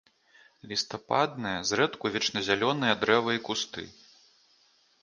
Лістападныя, зрэдку вечназялёныя дрэвы і кусты.